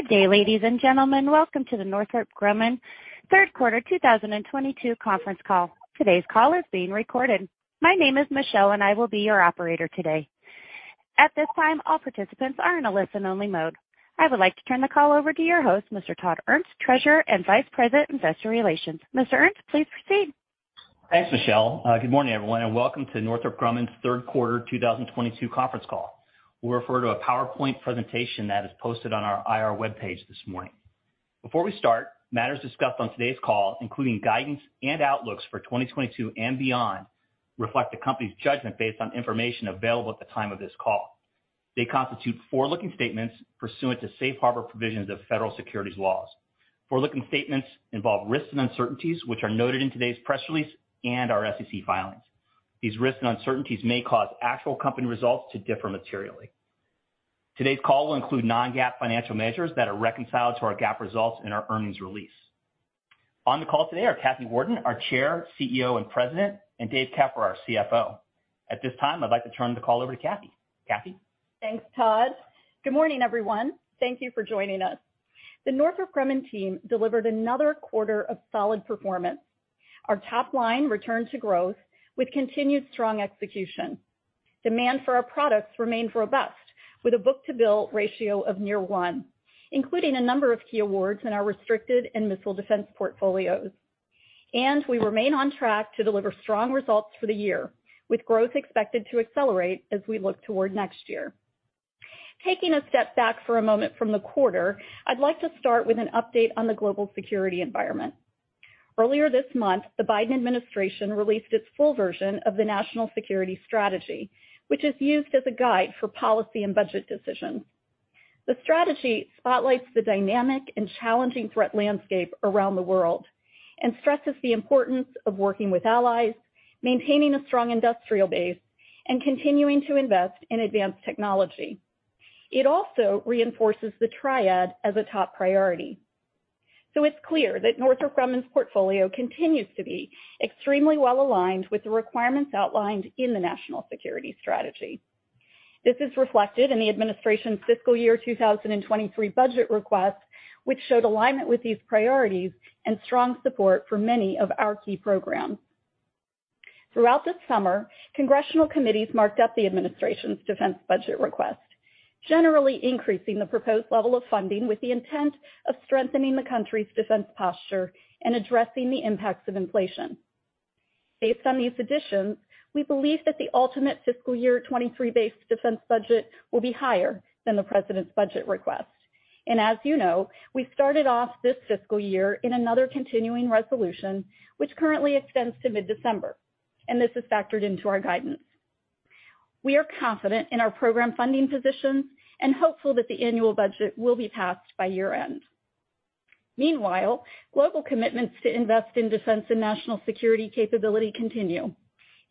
Good day, ladies and gentlemen. Welcome to the Northrop Grumman third quarter 2022 conference call. Today's call is being recorded. My name is Michelle, and I will be your operator today. At this time, all participants are in a listen-only mode. I would like to turn the call over to your host, Mr. Todd Ernst, Treasurer and Vice President, Investor Relations. Mr. Ernst, please proceed. Thanks, Michelle. Good morning, everyone, and welcome to Northrop Grumman's third quarter 2022 conference call. We'll refer to a PowerPoint presentation that is posted on our IR webpage this morning. Before we start, matters discussed on today's call, including guidance and outlooks for 2022 and beyond, reflect the company's judgment based on information available at the time of this call. They constitute forward-looking statements pursuant to safe harbor provisions of federal securities laws. Forward-looking statements involve risks and uncertainties, which are noted in today's press release and our SEC filings. These risks and uncertainties may cause actual company results to differ materially. Today's call will include non-GAAP financial measures that are reconciled to our GAAP results in our earnings release. On the call today are Kathy Warden, our Chair, CEO, and President, and Dave Keffer, our CFO. At this time, I'd like to turn the call over to Kathy. Kathy? Thanks, Todd. Good morning, everyone. Thank you for joining us. The Northrop Grumman team delivered another quarter of solid performance. Our top line returned to growth with continued strong execution. Demand for our products remained robust, with a book-to-bill ratio of near one, including a number of key awards in our restricted and missile defense portfolios. We remain on track to deliver strong results for the year, with growth expected to accelerate as we look toward next year. Taking a step back for a moment from the quarter, I'd like to start with an update on the global security environment. Earlier this month, the Biden administration released its full version of the National Security Strategy, which is used as a guide for policy and budget decisions. The strategy spotlights the dynamic and challenging threat landscape around the world and stresses the importance of working with allies, maintaining a strong industrial base, and continuing to invest in advanced technology. It also reinforces the triad as a top priority. It's clear that Northrop Grumman's portfolio continues to be extremely well-aligned with the requirements outlined in the National Security Strategy. This is reflected in the administration's fiscal year 2023 budget request, which showed alignment with these priorities and strong support for many of our key programs. Throughout this summer, congressional committees marked up the administration's defense budget request, generally increasing the proposed level of funding with the intent of strengthening the country's defense posture and addressing the impacts of inflation. Based on these additions, we believe that the ultimate fiscal year 2023-based defense budget will be higher than the president's budget request. As you know, we started off this fiscal year in another continuing resolution, which currently extends to mid-December, and this is factored into our guidance. We are confident in our program funding positions and hopeful that the annual budget will be passed by year-end. Meanwhile, global commitments to invest in defense and national security capability continue.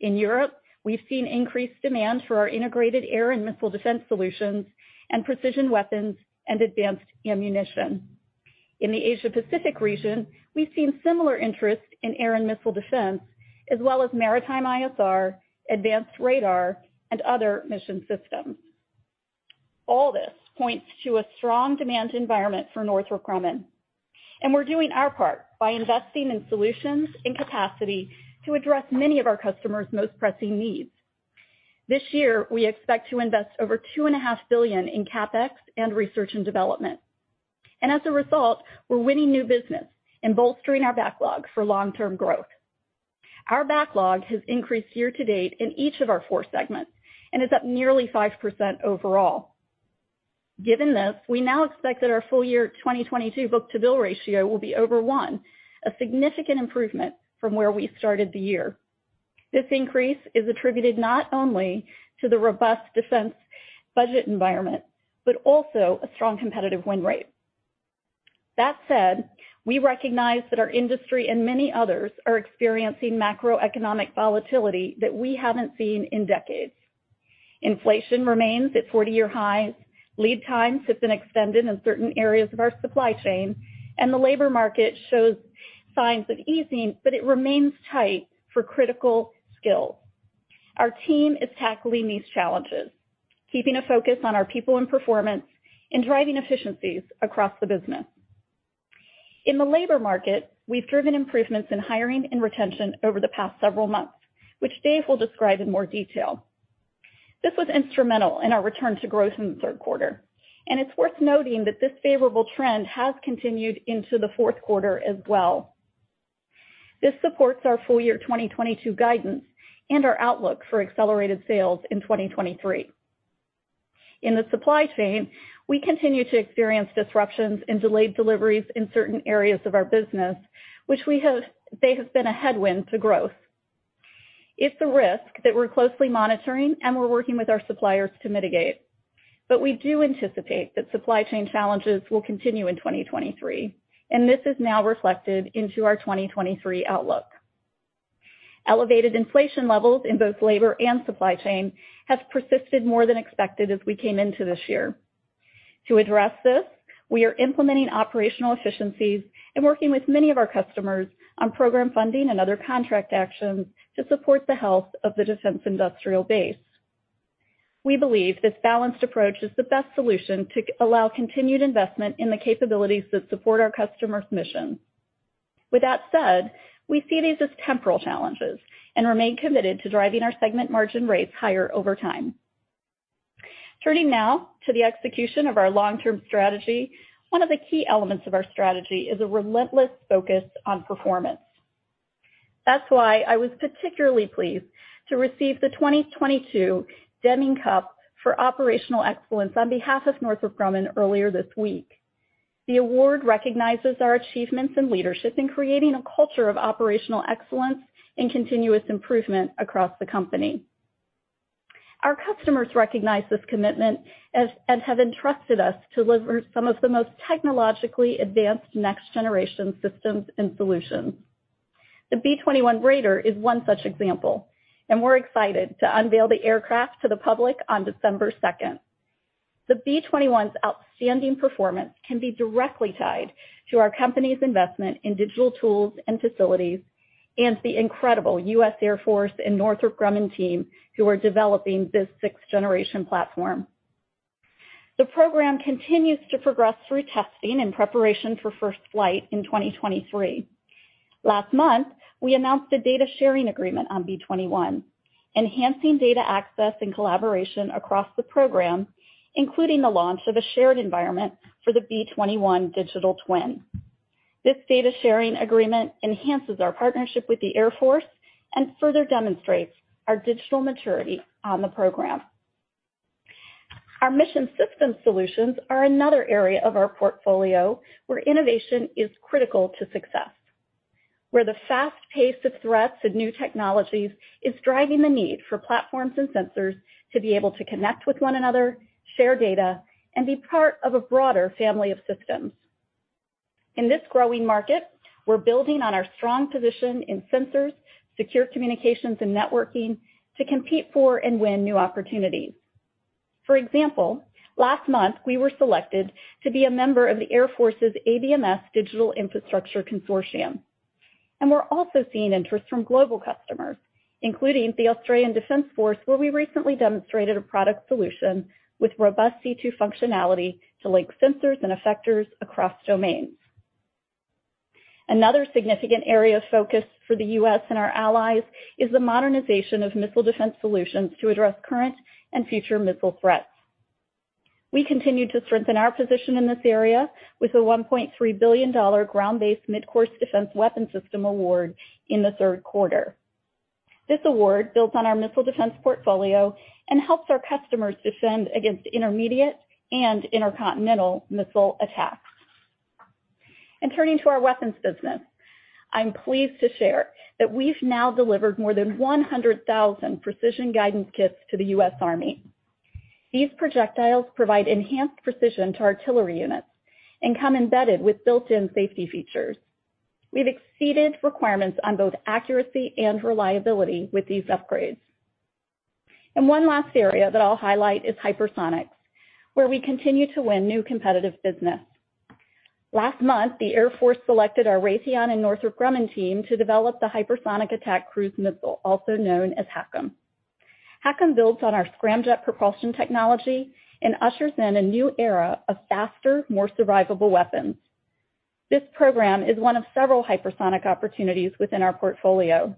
In Europe, we've seen increased demand for our integrated air and missile defense solutions and precision weapons and advanced ammunition. In the Asia-Pacific region, we've seen similar interest in air and missile defense, as well as maritime ISR, advanced radar, and other mission systems. All this points to a strong demand environment for Northrop Grumman, and we're doing our part by investing in solutions and capacity to address many of our customers' most pressing needs. This year, we expect to invest over $2.5 billion in CapEx and research and development. As a result, we're winning new business and bolstering our backlog for long-term growth. Our backlog has increased year to date in each of our four segments and is up nearly 5% overall. Given this, we now expect that our full-year 2022 book-to-bill ratio will be over one, a significant improvement from where we started the year. This increase is attributed not only to the robust defense budget environment, but also a strong competitive win rate. That said, we recognize that our industry and many others are experiencing macroeconomic volatility that we haven't seen in decades. Inflation remains at 40-year highs, lead times have been extended in certain areas of our supply chain, and the labor market shows signs of easing, but it remains tight for critical skills. Our team is tackling these challenges, keeping a focus on our people and performance and driving efficiencies across the business. In the labor market, we've driven improvements in hiring and retention over the past several months, which Dave will describe in more detail. This was instrumental in our return to growth in the third quarter, and it's worth noting that this favorable trend has continued into the fourth quarter as well. This supports our full year 2022 guidance and our outlook for accelerated sales in 2023. In the supply chain, we continue to experience disruptions in delayed deliveries in certain areas of our business, which they have been a headwind to growth. It's a risk that we're closely monitoring and we're working with our suppliers to mitigate. We do anticipate that supply chain challenges will continue in 2023, and this is now reflected into our 2023 outlook. Elevated inflation levels in both labor and supply chain have persisted more than expected as we came into this year. To address this, we are implementing operational efficiencies and working with many of our customers on program funding and other contract actions to support the health of the defense industrial base. We believe this balanced approach is the best solution to allow continued investment in the capabilities that support our customers' mission. With that said, we see these as temporal challenges and remain committed to driving our segment margin rates higher over time. Turning now to the execution of our long-term strategy. One of the key elements of our strategy is a relentless focus on performance. That's why I was particularly pleased to receive the 2022 Deming Cup for Operational Excellence on behalf of Northrop Grumman earlier this week. The award recognizes our achievements and leadership in creating a culture of operational excellence and continuous improvement across the company. Our customers recognize this commitment as well, and have entrusted us to deliver some of the most technologically advanced next-generation systems and solutions. The B-21 Raider is one such example, and we're excited to unveil the aircraft to the public on December second. The B-21's outstanding performance can be directly tied to our company's investment in digital tools and facilities, and the incredible U.S. Air Force and Northrop Grumman team who are developing this sixth-generation platform. The program continues to progress through testing in preparation for first flight in 2023. Last month, we announced a data-sharing agreement on B-21, enhancing data access and collaboration across the program, including the launch of a shared environment for the B-21 digital twin. This data sharing agreement enhances our partnership with the Air Force and further demonstrates our digital maturity on the program. Our mission system solutions are another area of our portfolio where innovation is critical to success, where the fast pace of threats and new technologies is driving the need for platforms and sensors to be able to connect with one another, share data, and be part of a broader family of systems. In this growing market, we're building on our strong position in sensors, secure communications, and networking to compete for and win new opportunities. For example, last month, we were selected to be a member of the Air Force's ABMS Digital Infrastructure Consortium. We're also seeing interest from global customers, including the Australian Defence Force, where we recently demonstrated a product solution with robust C2 functionality to link sensors and effectors across domains. Another significant area of focus for the U.S. and our allies is the modernization of missile defense solutions to address current and future missile threats. We continue to strengthen our position in this area with a $1.3 billion Ground-Based Midcourse Defense weapon system award in the third quarter. This award builds on our missile defense portfolio and helps our customers defend against intermediate and intercontinental missile attacks. Turning to our weapons business. I'm pleased to share that we've now delivered more than 100,000 precision guidance kits to the U.S. Army. These projectiles provide enhanced precision to artillery units and come embedded with built-in safety features. We've exceeded requirements on both accuracy and reliability with these upgrades. One last area that I'll highlight is hypersonics, where we continue to win new competitive business. Last month, the Air Force selected our Raytheon and Northrop Grumman team to develop the Hypersonic Attack Cruise Missile, also known as HACM. HACM builds on our scramjet propulsion technology and ushers in a new era of faster, more survivable weapons. This program is one of several hypersonic opportunities within our portfolio.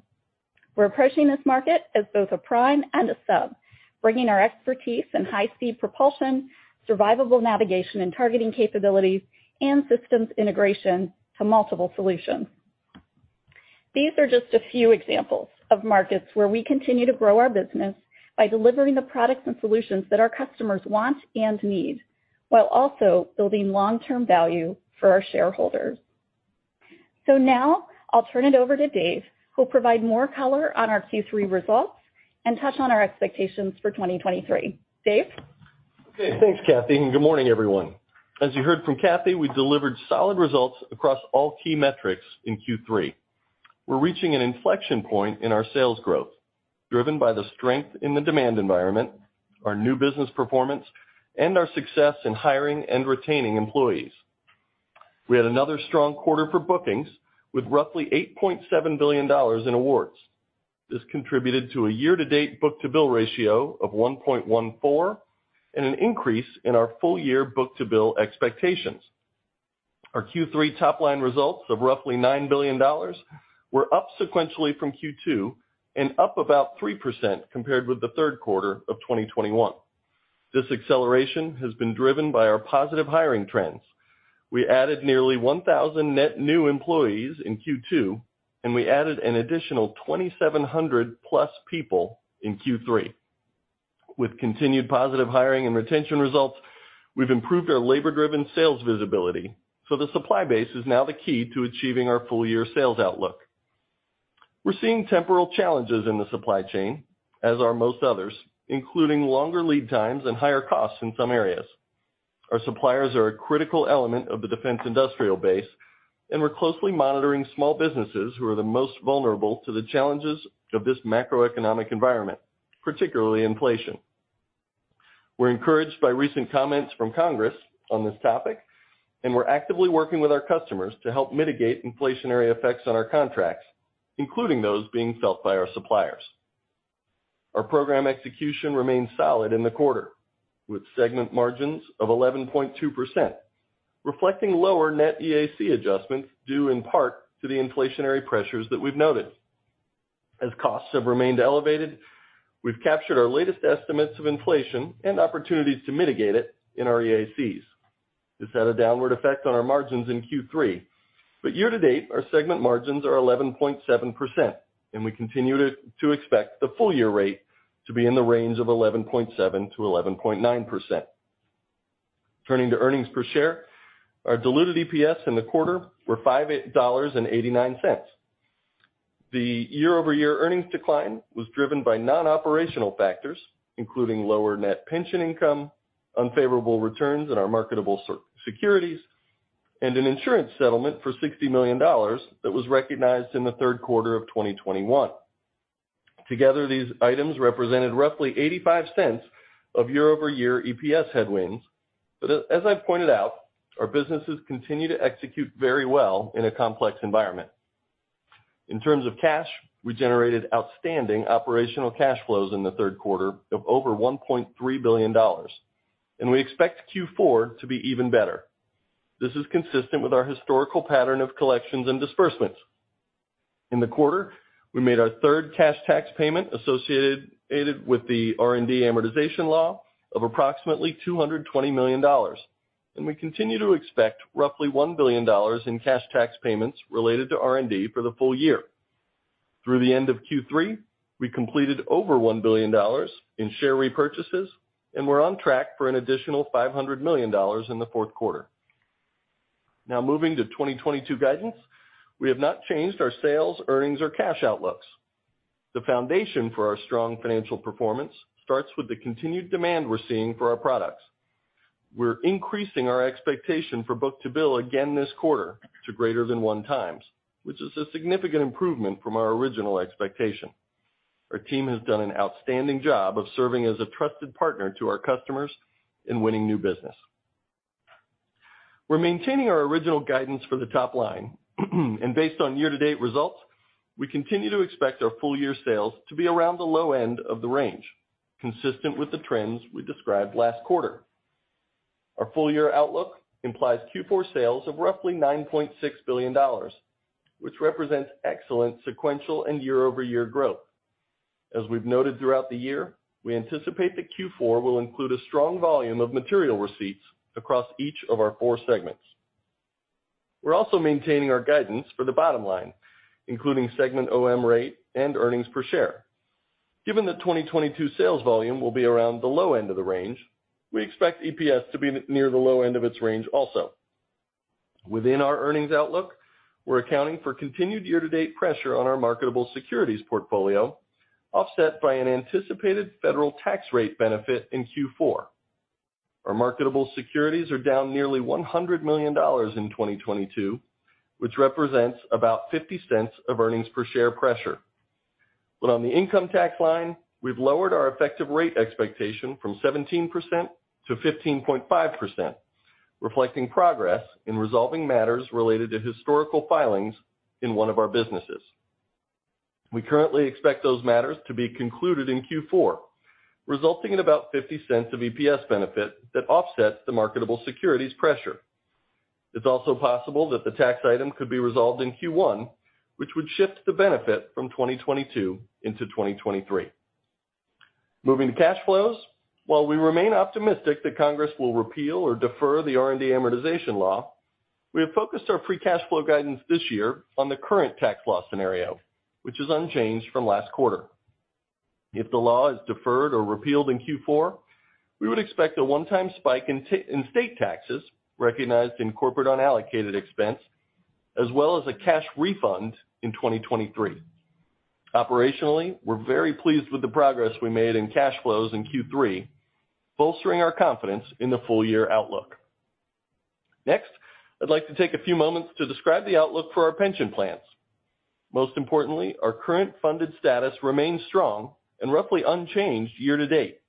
We're approaching this market as both a prime and a sub, bringing our expertise in high-speed propulsion, survivable navigation and targeting capabilities, and systems integration to multiple solutions. These are just a few examples of markets where we continue to grow our business by delivering the products and solutions that our customers want and need, while also building long-term value for our shareholders. Now I'll turn it over to Dave, who'll provide more color on our Q3 results and touch on our expectations for 2023. Dave? Okay. Thanks, Kathy, and good morning, everyone. As you heard from Kathy, we delivered solid results across all key metrics in Q3. We're reaching an inflection point in our sales growth, driven by the strength in the demand environment, our new business performance, and our success in hiring and retaining employees. We had another strong quarter for bookings with roughly $8.7 billion in awards. This contributed to a year-to-date book-to-bill ratio of 1.14 and an increase in our full-year book-to-bill expectations. Our Q3 top-line results of roughly $9 billion were up sequentially from Q2 and up about 3% compared with the third quarter of 2021. This acceleration has been driven by our positive hiring trends. We added nearly 1,000 net new employees in Q2, and we added an additional 2,700+ people in Q3. With continued positive hiring and retention results, we've improved our labor-driven sales visibility, so the supply base is now the key to achieving our full-year sales outlook. We're seeing temporal challenges in the supply chain, as are most others, including longer lead times and higher costs in some areas. Our suppliers are a critical element of the defense industrial base. We're closely monitoring small businesses who are the most vulnerable to the challenges of this macroeconomic environment, particularly inflation. We're encouraged by recent comments from Congress on this topic, and we're actively working with our customers to help mitigate inflationary effects on our contracts, including those being felt by our suppliers. Our program execution remained solid in the quarter, with segment margins of 11.2%, reflecting lower net EAC adjustments, due in part to the inflationary pressures that we've noted. As costs have remained elevated, we've captured our latest estimates of inflation and opportunities to mitigate it in our EACs. This had a downward effect on our margins in Q3. Year-to-date, our segment margins are 11.7%, and we continue to expect the full year rate to be in the range of 11.7%-11.9%. Turning to earnings per share, our diluted EPS in the quarter were $5.89. The year-over-year earnings decline was driven by non-operational factors, including lower net pension income, unfavorable returns in our marketable securities, and an insurance settlement for $60 million that was recognized in the third quarter of 2021. Together, these items represented roughly $0.85 of year-over-year EPS headwinds, but as I've pointed out, our businesses continue to execute very well in a complex environment. In terms of cash, we generated outstanding operational cash flows in the third quarter of over $1.3 billion, and we expect Q4 to be even better. This is consistent with our historical pattern of collections and disbursements. In the quarter, we made our third cash tax payment associated with the R&D amortization law of approximately $220 million, and we continue to expect roughly $1 billion in cash tax payments related to R&D for the full year. Through the end of Q3, we completed over $1 billion in share repurchases, and we're on track for an additional $500 million in the fourth quarter. Now moving to 2022 guidance, we have not changed our sales, earnings, or cash outlooks. The foundation for our strong financial performance starts with the continued demand we're seeing for our products. We're increasing our expectation for book-to-bill again this quarter to greater than 1x, which is a significant improvement from our original expectation. Our team has done an outstanding job of serving as a trusted partner to our customers in winning new business. We're maintaining our original guidance for the top line, and based on year-to-date results, we continue to expect our full year sales to be around the low end of the range, consistent with the trends we described last quarter. Our full year outlook implies Q4 sales of roughly $9.6 billion, which represents excellent sequential and year-over-year growth. As we've noted throughout the year, we anticipate that Q4 will include a strong volume of material receipts across each of our four segments. We're also maintaining our guidance for the bottom line, including segment operating margin and earnings per share. Given that 2022 sales volume will be around the low end of the range, we expect EPS to be near the low end of its range also. Within our earnings outlook, we're accounting for continued year-to-date pressure on our marketable securities portfolio, offset by an anticipated federal tax rate benefit in Q4. Our marketable securities are down nearly $100 million in 2022, which represents about $0.50 of EPS pressure. On the income tax line, we've lowered our effective rate expectation from 17%-15.5%, reflecting progress in resolving matters related to historical filings in one of our businesses. We currently expect those matters to be concluded in Q4, resulting in about $0.50 of EPS benefit that offsets the marketable securities pressure. It's also possible that the tax item could be resolved in Q1, which would shift the benefit from 2022 into 2023. Moving to cash flows. While we remain optimistic that Congress will repeal or defer the R&D amortization law, we have focused our free cash flow guidance this year on the current tax law scenario, which is unchanged from last quarter. If the law is deferred or repealed in Q4, we would expect a one-time spike in state taxes recognized in corporate unallocated expense, as well as a cash refund in 2023. Operationally, we're very pleased with the progress we made in cash flows in Q3, bolstering our confidence in the full year outlook. Next, I'd like to take a few moments to describe the outlook for our pension plans. Most importantly, our current funded status remains strong and roughly unchanged year-to-date,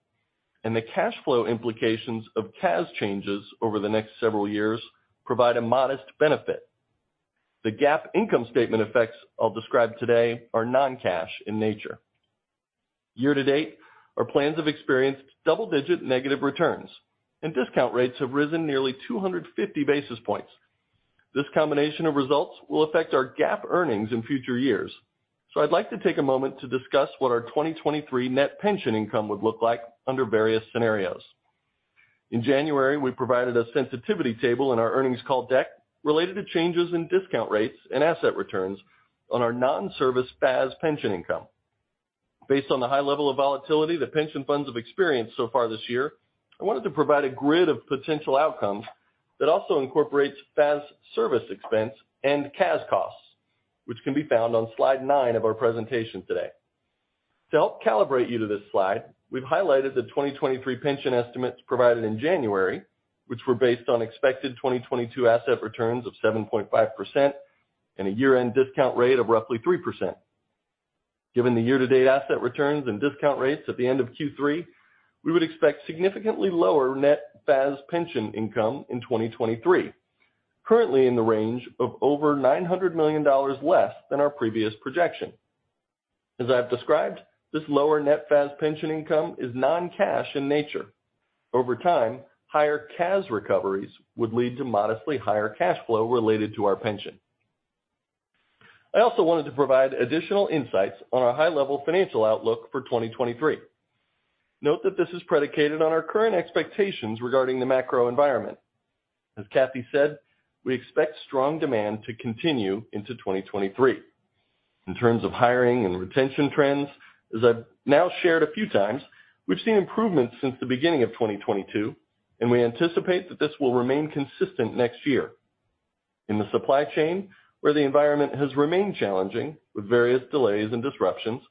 and the cash flow implications of CAS changes over the next several years provide a modest benefit. The GAAP income statement effects I'll describe today are non-cash in nature. Year to date, our plans have experienced double-digit negative returns, and discount rates have risen nearly 250 basis points. This combination of results will affect our GAAP earnings in future years, so I'd like to take a moment to discuss what our 2023 net pension income would look like under various scenarios. In January, we provided a sensitivity table in our earnings call deck related to changes in discount rates and asset returns on our non-service FAS pension income. Based on the high level of volatility that pension funds have experienced so far this year, I wanted to provide a grid of potential outcomes that also incorporates FAS service expense and CAS costs, which can be found on slide nine of our presentation today. To help calibrate you to this slide, we've highlighted the 2023 pension estimates provided in January, which were based on expected 2022 asset returns of 7.5% and a year-end discount rate of roughly 3%. Given the year-to-date asset returns and discount rates at the end of Q3, we would expect significantly lower net FAS pension income in 2023, currently in the range of over $900 million less than our previous projection. As I've described, this lower net FAS pension income is non-cash in nature. Over time, higher CAS recoveries would lead to modestly higher cash flow related to our pension. I also wanted to provide additional insights on our high-level financial outlook for 2023. Note that this is predicated on our current expectations regarding the macro environment. As Kathy said, we expect strong demand to continue into 2023. In terms of hiring and retention trends, as I've now shared a few times, we've seen improvements since the beginning of 2022, and we anticipate that this will remain consistent next year. In the supply chain, where the environment has remained challenging with various delays and disruptions,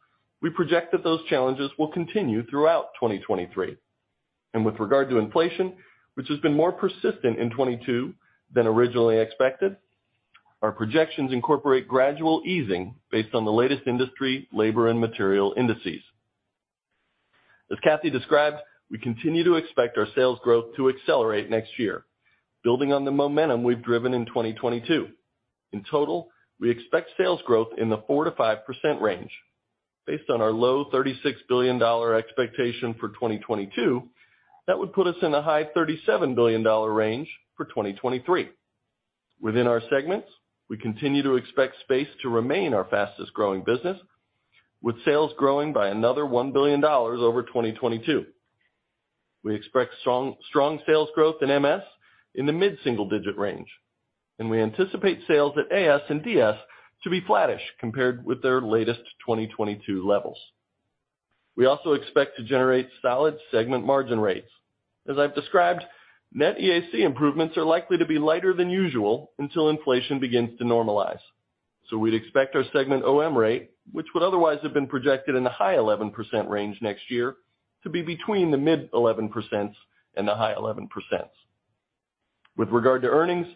we project that those challenges will continue throughout 2023. With regard to inflation, which has been more persistent in 2022 than originally expected, our projections incorporate gradual easing based on the latest industry, labor, and material indices. As Kathy described, we continue to expect our sales growth to accelerate next year, building on the momentum we've driven in 2022. In total, we expect sales growth in the 4%-5% range. Based on our low $36 billion expectation for 2022, that would put us in a high $37 billion range for 2023. Within our segments, we continue to expect space to remain our fastest-growing business, with sales growing by another $1 billion over 2022. We expect strong sales growth in MS in the mid-single-digit range, and we anticipate sales at AS and DS to be flattish compared with their latest 2022 levels. We also expect to generate solid segment margin rates. As I've described, net EAC improvements are likely to be lighter than usual until inflation begins to normalize. We'd expect our segment operating margin, which would otherwise have been projected in the high 11% range next year, to be between the mid-11% and the high 11%. With regard to earnings,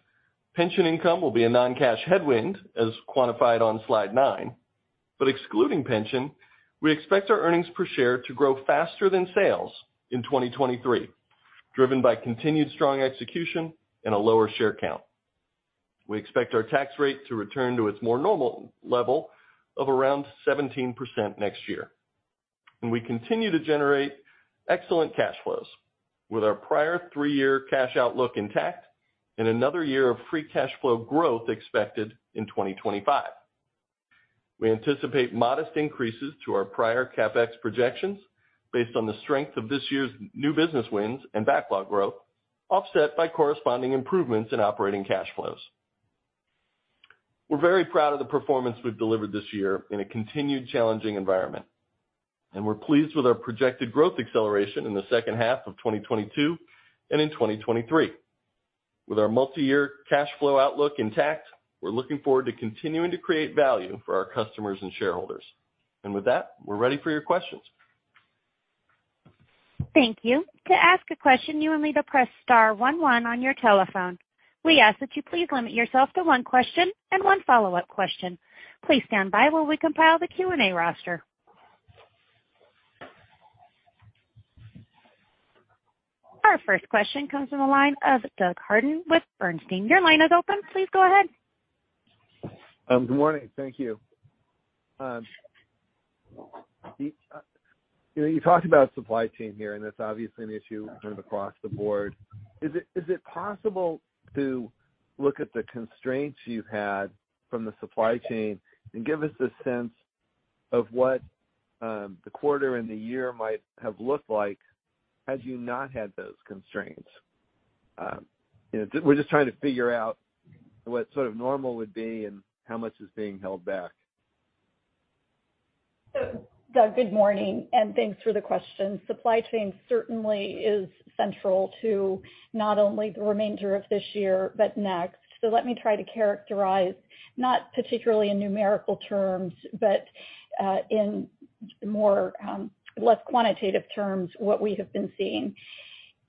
pension income will be a non-cash headwind, as quantified on slide nine. Excluding pension, we expect our earnings per share to grow faster than sales in 2023, driven by continued strong execution and a lower share count. We expect our tax rate to return to its more normal level of around 17% next year. We continue to generate excellent cash flows with our prior three-year cash outlook intact and another year of free cash flow growth expected in 2025. We anticipate modest increases to our prior CapEx projections based on the strength of this year's new business wins and backlog growth, offset by corresponding improvements in operating cash flows. We're very proud of the performance we've delivered this year in a continued challenging environment, and we're pleased with our projected growth acceleration in the second half of 2022 and in 2023. With our multiyear cash flow outlook intact, we're looking forward to continuing to create value for our customers and shareholders. With that, we're ready for your questions. Thank you. To ask a question, you will need to press star one one on your telephone. We ask that you please limit yourself to one question and one follow-up question. Please stand by while we compile the Q&A roster. Our first question comes from the line of Douglas Harned with Bernstein. Your line is open. Please go ahead. Good morning. Thank you. You know, you talked about supply chain here, and it's obviously an issue sort of across the board. Is it possible to look at the constraints you've had from the supply chain and give us a sense of what the quarter and the year might have looked like had you not had those constraints? You know, we're just trying to figure out what sort of normal would be and how much is being held back. Doug, good morning, and thanks for the question. Supply chain certainly is central to not only the remainder of this year, but next. Let me try to characterize, not particularly in numerical terms, but in more less quantitative terms, what we have been seeing.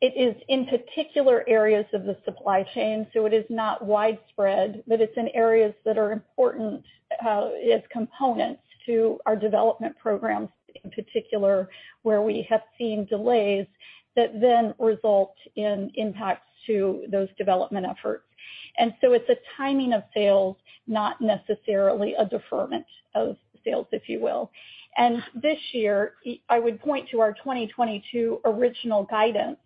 It is in particular areas of the supply chain, so it is not widespread, but it's in areas that are important as components to our development programs in particular, where we have seen delays that then result in impacts to those development efforts. It's a timing of sales, not necessarily a deferment of sales, if you will. This year, I would point to our 2022 original guidance,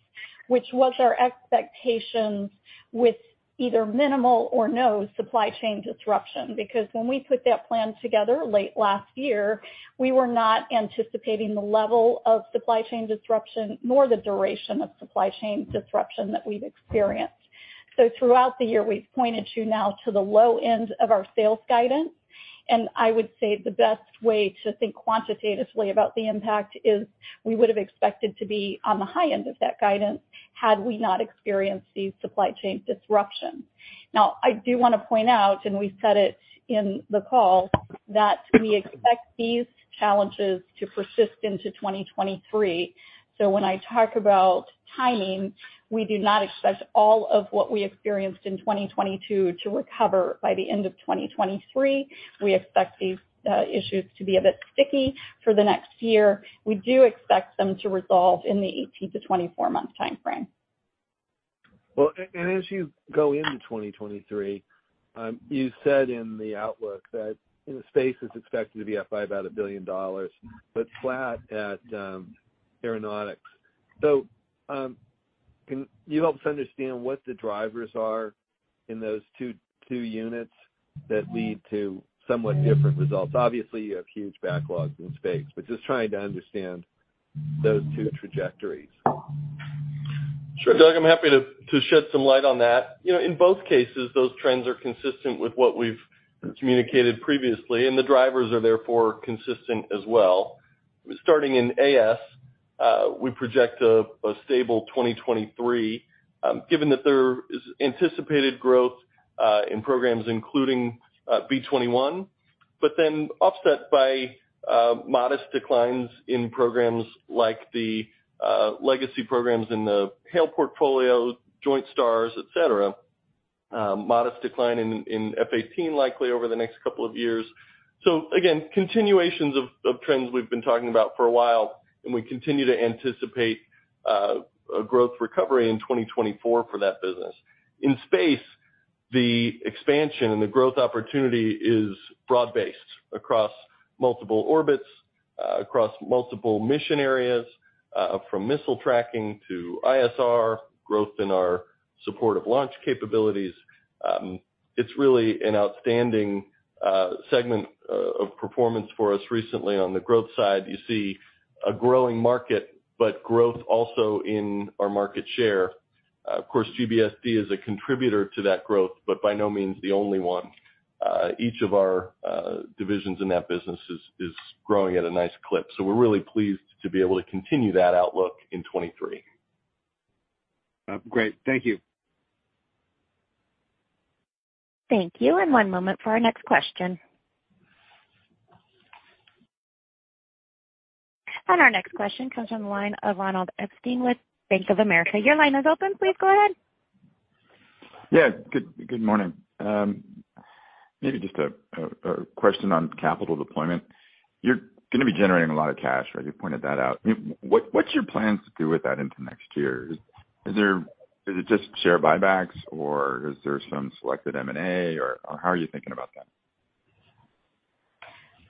which was our expectations with either minimal or no supply chain disruption. Because when we put that plan together late last year, we were not anticipating the level of supply chain disruption nor the duration of supply chain disruption that we've experienced. So throughout the year, we've pointed you now to the low end of our sales guidance. I would say the best way to think quantitatively about the impact is we would have expected to be on the high end of that guidance had we not experienced these supply chain disruptions. Now, I do wanna point out, and we said it in the call, that we expect these challenges to persist into 2023. When I talk about timing, we do not expect all of what we experienced in 2022 to recover by the end of 2023. We expect these issues to be a bit sticky for the next year. We do expect them to resolve in the 18-24 month time frame. Well, and as you go into 2023, you said in the outlook that, you know, Space is expected to be up by about $1 billion, but flat at Aeronautics. Can you help us understand what the drivers are in those two units that lead to somewhat different results? Obviously, you have huge backlogs in Space, but just trying to understand those two trajectories. Sure, Doug, I'm happy to shed some light on that. You know, in both cases, those trends are consistent with what we've communicated previously, and the drivers are therefore consistent as well. Starting in AS, we project a stable 2023, given that there is anticipated growth in programs including B-21. Then offset by modest declines in programs like the legacy programs in the HALE portfolio, Joint STARS, et cetera. Modest decline in F/A-18 likely over the next couple of years. Again, continuations of trends we've been talking about for a while, and we continue to anticipate a growth recovery in 2024 for that business. In space, the expansion and the growth opportunity is broad-based across multiple orbits, across multiple mission areas, from missile tracking to ISR, growth in our supportive launch capabilities. It's really an outstanding segment of performance for us recently. On the growth side, you see a growing market, but growth also in our market share. Of course, GBSD is a contributor to that growth, but by no means the only one. Each of our divisions in that business is growing at a nice clip. We're really pleased to be able to continue that outlook in 2023. Great. Thank you. Thank you. One moment for our next question. Our next question comes from the line of Ronald Epstein with Bank of America. Your line is open. Please go ahead. Yeah, good morning. Maybe just a question on capital deployment. You're gonna be generating a lot of cash, right? You pointed that out. What's your plans to do with that into next year? Is it just share buybacks or is there some selected M&A or how are you thinking about that?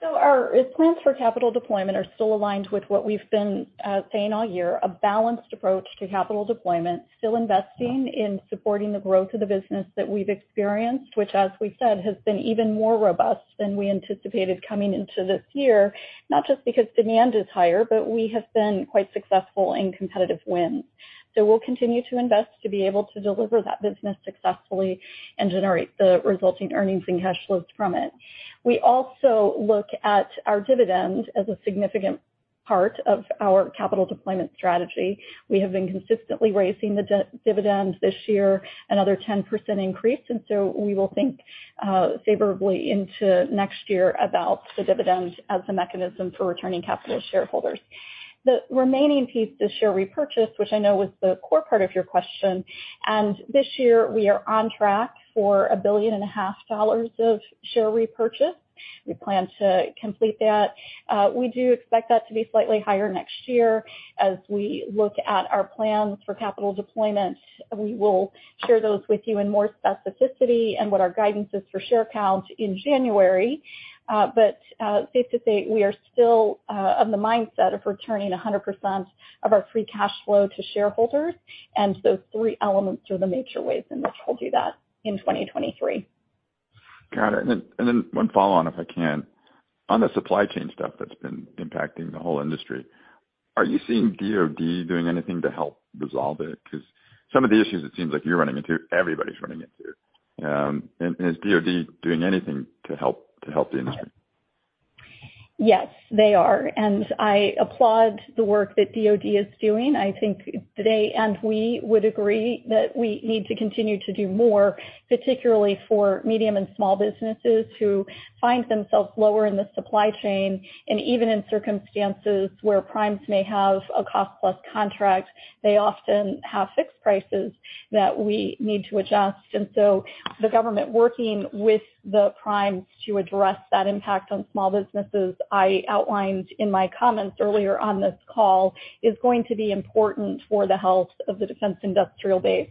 Our plans for capital deployment are still aligned with what we've been saying all year, a balanced approach to capital deployment, still investing in supporting the growth of the business that we've experienced, which as we said, has been even more robust than we anticipated coming into this year, not just because demand is higher, but we have been quite successful in competitive wins. We'll continue to invest to be able to deliver that business successfully and generate the resulting earnings and cash flows from it. We also look at our dividends as a significant part of our capital deployment strategy. We have been consistently raising the dividends this year, another 10% increase, and we will think favorably into next year about the dividend as a mechanism for returning capital to shareholders. The remaining piece is share repurchase, which I know was the core part of your question. This year, we are on track for $1.5 billion of share repurchase. We plan to complete that. We do expect that to be slightly higher next year. As we look at our plans for capital deployment, we will share those with you in more specificity and what our guidance is for share count in January. Safe to say, we are still of the mindset of returning 100% of our free cash flow to shareholders. Three elements are the major ways in which we'll do that in 2023. Got it. One follow-on, if I can. On the supply chain stuff that's been impacting the whole industry, are you seeing DoD doing anything to help resolve it? Because some of the issues it seems like you're running into, everybody's running into. Is DoD doing anything to help the industry? Yes, they are. I applaud the work that DoD is doing. I think they, and we would agree that we need to continue to do more, particularly for medium and small businesses who find themselves lower in the supply chain, and even in circumstances where primes may have a cost-plus contract, they often have fixed prices that we need to adjust. The government working with the primes to address that impact on small businesses, I outlined in my comments earlier on this call, is going to be important for the health of the defense industrial base.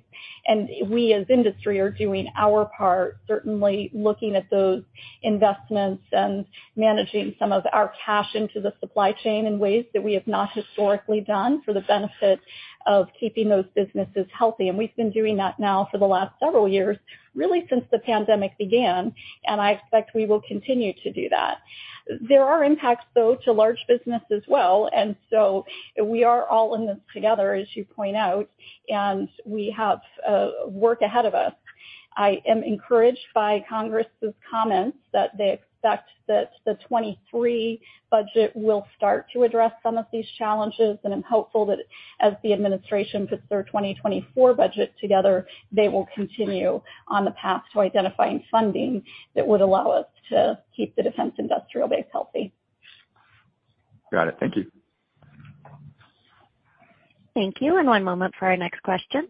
We, as industry, are doing our part, certainly looking at those investments and managing some of our cash into the supply chain in ways that we have not historically done for the benefit of keeping those businesses healthy. We've been doing that now for the last several years, really since the pandemic began, and I expect we will continue to do that. There are impacts, though, to large business as well. We are all in this together, as you point out, and we have work ahead of us. I am encouraged by Congress's comments that they expect that the 2023 budget will start to address some of these challenges, and I'm hopeful that as the administration puts their 2024 budget together, they will continue on the path to identifying funding that would allow us to keep the defense industrial base healthy. Got it. Thank you. Thank you. One moment for our next question.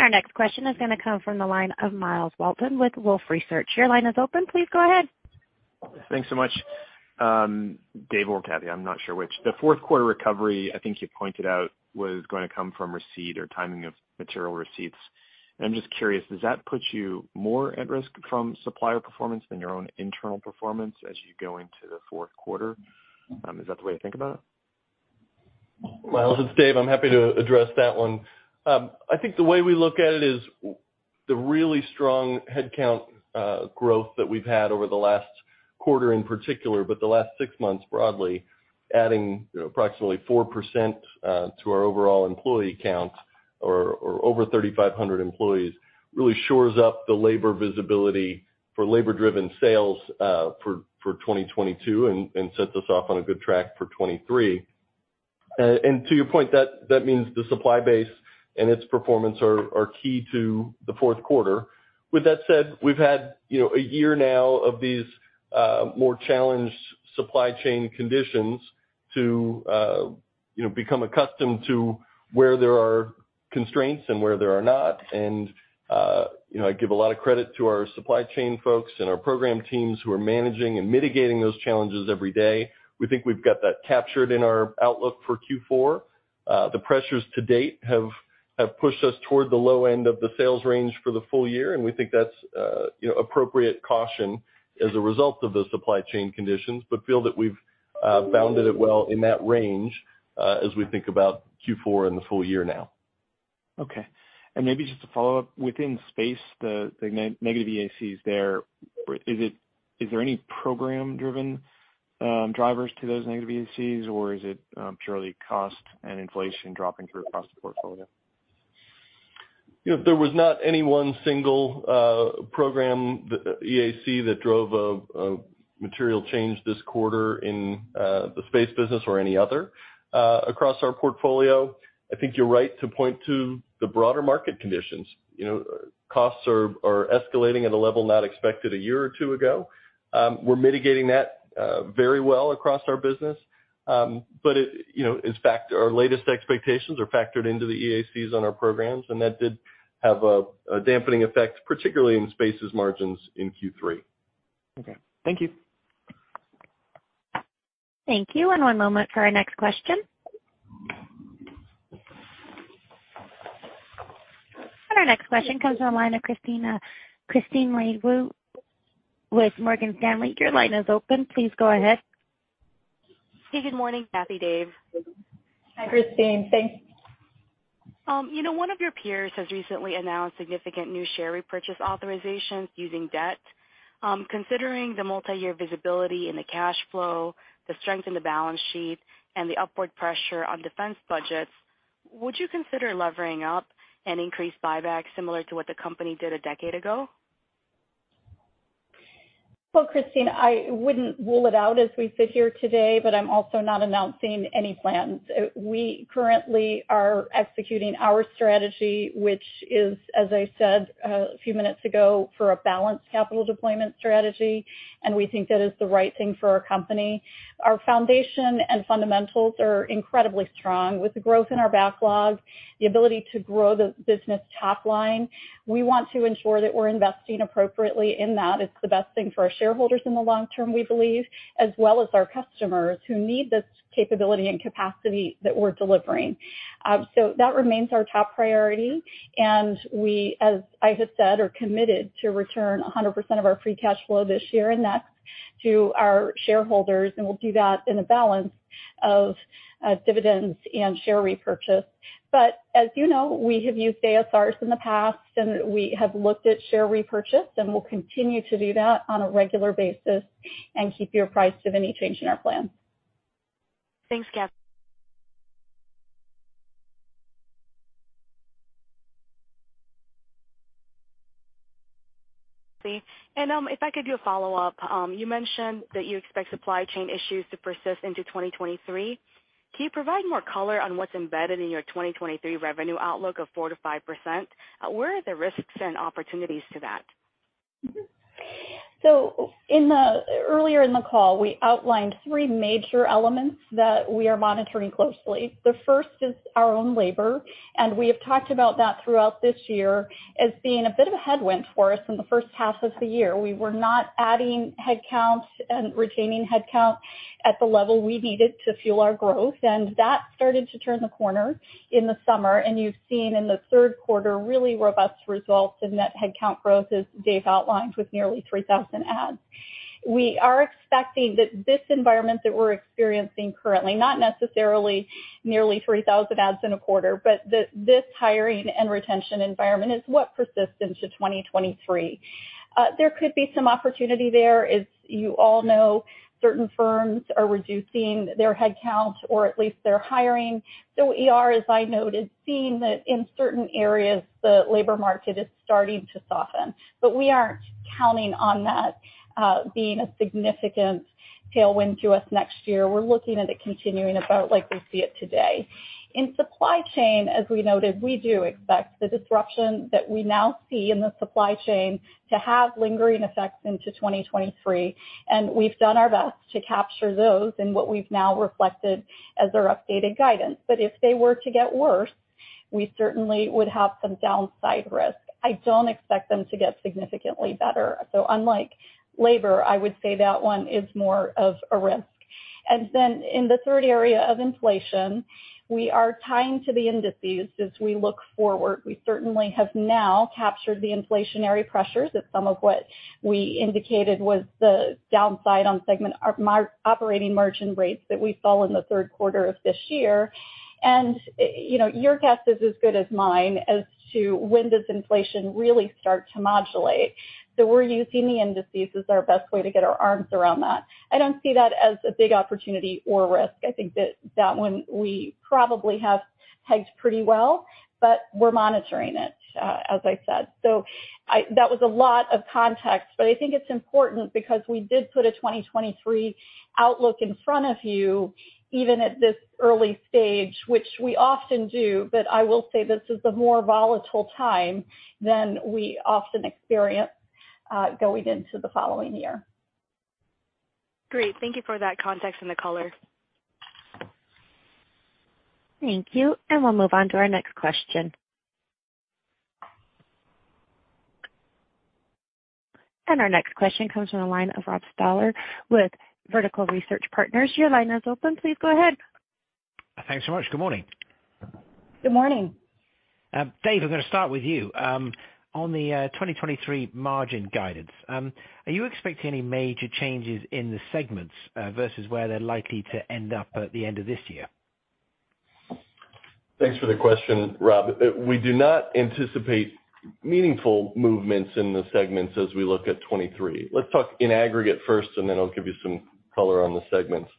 Our next question is gonna come from the line of Myles Walton with Wolfe Research. Your line is open. Please go ahead. Thanks so much. Dave or Kathy, I'm not sure which. The fourth quarter recovery, I think you pointed out, was gonna come from receipt or timing of material receipts. I'm just curious, does that put you more at risk from supplier performance than your own internal performance as you go into the fourth quarter? Is that the way to think about it? Myles, it's Dave, I'm happy to address that one. I think the way we look at it is the really strong headcount growth that we've had over the last quarter in particular, but the last six months broadly, adding, you know, approximately 4% to our overall employee count or over 3,500 employees, really shores up the labor visibility for labor-driven sales for 2022 and sets us off on a good track for 2023. To your point, that means the supply base and its performance are key to the fourth quarter. With that said, we've had, you know, a year now of these more challenged supply chain conditions to become accustomed to where there are constraints and where there are not. You know, I give a lot of credit to our supply chain folks and our program teams who are managing and mitigating those challenges every day. We think we've got that captured in our outlook for Q4. The pressures to date have pushed us toward the low end of the sales range for the full year, and we think that's you know, appropriate caution as a result of the supply chain conditions, but feel that we've bounded it well in that range, as we think about Q4 and the full year now. Okay. Maybe just to follow up, within space, the negative EAC, is there any program-driven drivers to those negative EACs or is it purely cost and inflation dropping through across the portfolio? You know, there was not any one single program EAC that drove a material change this quarter in the Space business or any other across our portfolio. I think you're right to point to the broader market conditions. You know, costs are escalating at a level not expected a year or two ago. We're mitigating that very well across our business. It you know in fact our latest expectations are factored into the EACs on our programs, and that did have a dampening effect, particularly in Space's margins in Q3. Okay. Thank you. Thank you. One moment for our next question. Our next question comes from the line of Kristine Liwag with Morgan Stanley. Your line is open. Please go ahead. ey, good morning, Kathy, Dave. Hi, Kristine. Thanks. You know, one of your peers has recently announced significant new share repurchase authorizations using debt. Considering the multiyear visibility in the cash flow, the strength in the balance sheet, and the upward pressure on defense budgets, would you consider levering up and increase buyback similar to what the company did a decade ago? Well, Kristine, I wouldn't rule it out as we sit here today, but I'm also not announcing any plans. We currently are executing our strategy, which is, as I said a few minutes ago, for a balanced capital deployment strategy, and we think that is the right thing for our company. Our foundation and fundamentals are incredibly strong. With the growth in our backlog, the ability to grow the business top line, we want to ensure that we're investing appropriately in that. It's the best thing for our shareholders in the long term, we believe, as well as our customers who need this capability and capacity that we're delivering. That remains our top priority. We, as I have said, are committed to return 100% of our free cash flow this year and next to our shareholders, and we'll do that in a balance of, dividends and share repurchase. As you know, we have used ASRs in the past, and we have looked at share repurchase, and we'll continue to do that on a regular basis and keep you apprised of any change in our plan. Thanks, Kathy. If I could do a follow-up. You mentioned that you expect supply chain issues to persist into 2023. Can you provide more color on what's embedded in your 2023 revenue outlook of 4%-5%? Where are the risks and opportunities to that? Earlier in the call, we outlined three major elements that we are monitoring closely. The first is our own labor, and we have talked about that throughout this year as being a bit of a headwind for us in the first half of the year. We were not adding headcounts and retaining headcount at the level we needed to fuel our growth. That started to turn the corner in the summer, and you've seen in the third quarter really robust results in that headcount growth, as Dave outlined, with nearly 3,000 adds. We are expecting that this environment that we're experiencing currently, not necessarily nearly 3,000 adds in a quarter, but this hiring and retention environment is what persists into 2023. There could be some opportunity there. As you all know, certain firms are reducing their head counts or at least their hiring. As I noted, we're seeing that in certain areas, the labor market is starting to soften. We aren't counting on that being a significant tailwind to us next year. We're looking at it continuing about like we see it today. In supply chain, as we noted, we do expect the disruption that we now see in the supply chain to have lingering effects into 2023, and we've done our best to capture those in what we've now reflected as our updated guidance. If they were to get worse, we certainly would have some downside risk. I don't expect them to get significantly better. Unlike labor, I would say that one is more of a risk. Then in the third area of inflation, we are tying to the indices as we look forward. We certainly have now captured the inflationary pressures at some of what we indicated was the downside on segment operating margin rates that we saw in the third quarter of this year. You know, your guess is as good as mine as to when does inflation really start to modulate. We're using the indices as our best way to get our arms around that. I don't see that as a big opportunity or risk. I think that one we probably have pegged pretty well, but we're monitoring it, as I said. That was a lot of context, but I think it's important because we did put a 2023 outlook in front of you, even at this early stage, which we often do. I will say this is a more volatile time than we often experience, going into the following year. Great. Thank you for that context and the color. Thank you. We'll move on to our next question. Our next question comes from the line of Robert Stallard with Vertical Research Partners. Your line is open. Please go ahead. Thanks so much. Good morning. Good morning. Dave, I'm gonna start with you. On the 2023 margin guidance, are you expecting any major changes in the segments versus where they're likely to end up at the end of this year? Thanks for the question, Rob. We do not anticipate meaningful movements in the segments as we look at 2023. Let's talk in aggregate first, and then I'll give you some color on the segments.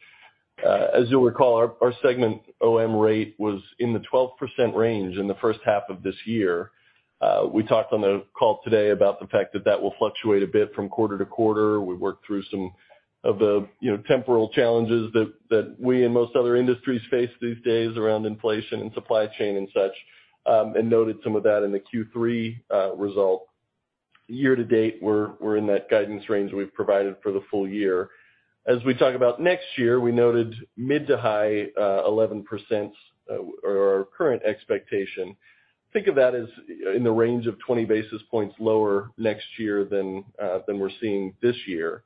As you'll recall, our segment operating margin was in the 12% range in the first half of this year. We talked on the call today about the fact that that will fluctuate a bit from quarter to quarter. We worked through some of the, you know, temporal challenges that we and most other industries face these days around inflation and supply chain and such, and noted some of that in the Q3 result. Year to date, we're in that guidance range we've provided for the full year. As we talk about next year, we noted mid- to high-11%, or current expectation. Think of that as in the range of 20 basis points lower next year than we're seeing this year.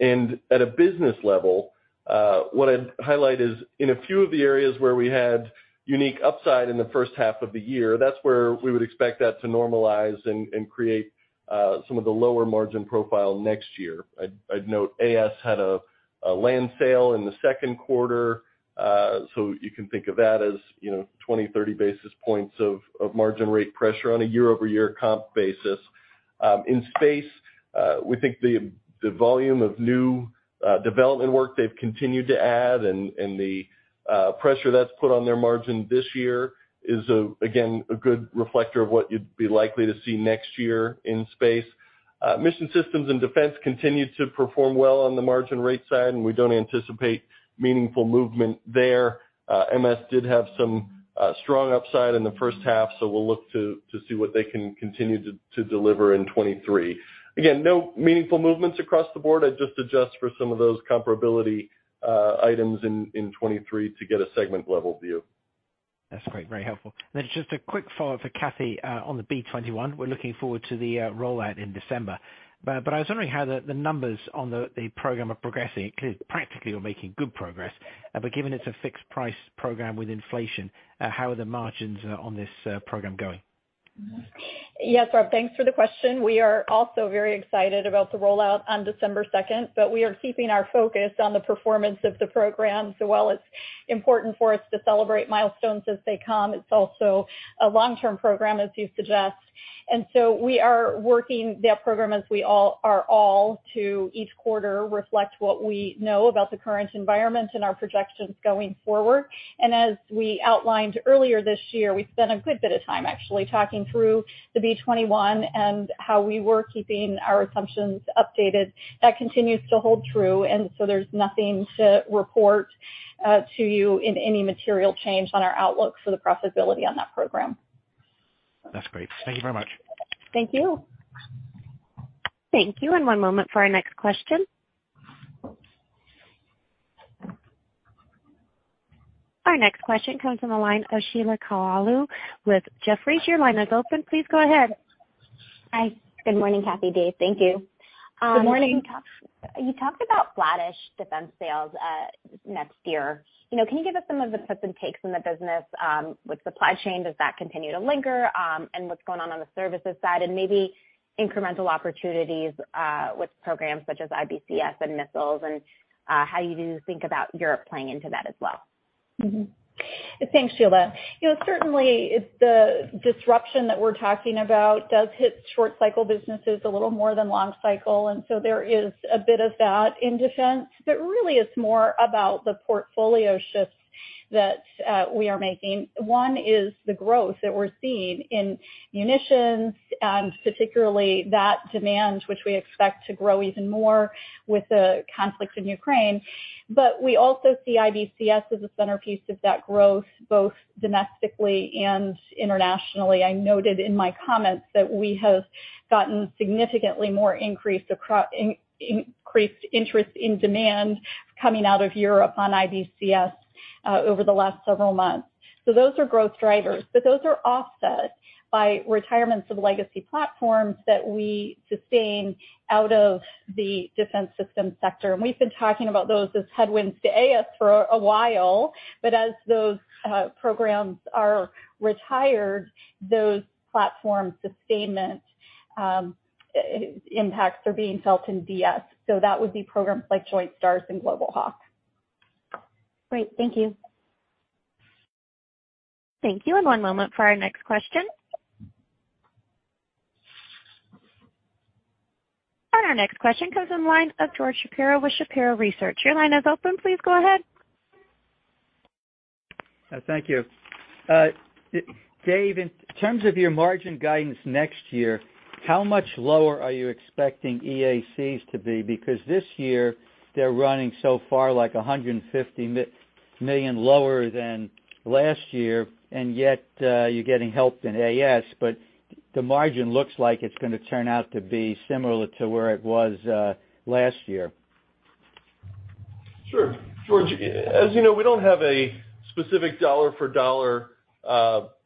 At a business level, what I'd highlight is in a few of the areas where we had unique upside in the first half of the year, that's where we would expect that to normalize and create some of the lower margin profile next year. I'd note AS had a land sale in the second quarter, so you can think of that as, you know, 20-30 basis points of margin rate pressure on a year-over-year comp basis. In space, we think the volume of new development work they've continued to add and the pressure that's put on their margin this year is, again, a good reflector of what you'd be likely to see next year in space. Mission Systems and Defense continued to perform well on the margin rate side, and we don't anticipate meaningful movement there. MS did have some strong upside in the first half, so we'll look to see what they can continue to deliver in 2023. Again, no meaningful movements across the board. I'd just adjust for some of those comparability items in 2023 to get a segment level view. That's great. Very helpful. Just a quick follow-up for Kathy on the B-21. We're looking forward to the rollout in December. I was wondering how the numbers on the program are progressing. Clearly, practically, you're making good progress. Given it's a fixed price program with inflation, how are the margins on this program going? Yes, Rob. Thanks for the question. We are also very excited about the rollout on December second, but we are keeping our focus on the performance of the program. While it's important for us to celebrate milestones as they come, it's also a long-term program, as you suggest. We are working that program as we always do each quarter to reflect what we know about the current environment and our projections going forward. As we outlined earlier this year, we spent a good bit of time actually talking through the B-21 and how we were keeping our assumptions updated. That continues to hold true. There's nothing to report to you in any material change on our outlook for the profitability on that program. That's great. Thank you very much. Thank you. Thank you. One moment for our next question. Our next question comes from the line of Sheila Kahyaoglu with Jefferies. Your line is open. Please go ahead. Hi. Good morning, Kathy, Dave. Thank you. Good morning. You talked about flattish defense sales next year. You know, can you give us some of the puts and takes in the business with supply chain? Does that continue to linger? What's going on on the services side? Maybe incremental opportunities with programs such as IBCS and missiles and how you think about Europe playing into that as well. Mm-hmm. Thanks, Sheila. You know, certainly the disruption that we're talking about does hit short cycle businesses a little more than long cycle, and so there is a bit of that in defense. Really it's more about the portfolio shifts that we are making. One is the growth that we're seeing in munitions, and particularly that demand which we expect to grow even more with the conflicts in Ukraine. We also see IBCS as a centerpiece of that growth, both domestically and internationally. I noted in my comments that we have gotten significantly more increased interest and demand coming out of Europe on IBCS over the last several months. Those are growth drivers, but those are offset by retirements of legacy platforms that we sustain out of the Defense Systems sector. We've been talking about those as headwinds to AS for a while, but as those programs are retired, those platform sustainment impacts are being felt in DS. That would be programs like Joint STARS and Global Hawk. Great. Thank you. Thank you. One moment for our next question. Our next question comes from the line of George Shapiro with Shapiro Research. Your line is open. Please go ahead. Thank you. Dave, in terms of your margin guidance next year, how much lower are you expecting EACs to be? Because this year, they're running so far, like, $150 million lower than last year, and yet, you're getting help in AS, but the margin looks like it's gonna turn out to be similar to where it was last year. Sure. George, as you know, we don't have a specific dollar for dollar